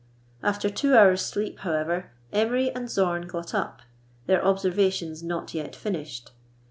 After two hours' sleep, however, Emery and Zorn got up, their observations not yet finished.